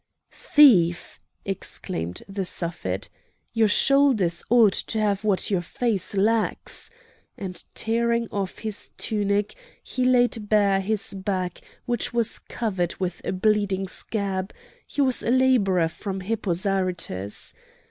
"Thief!" exclaimed the Suffet, "your shoulders ought to have what your face lacks!" and tearing off his tunic he laid bare is back which was covered with a bleeding scab; he was a labourer from Hippo Zarytus.